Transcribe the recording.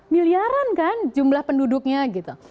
miliaran kan jumlah penduduknya gitu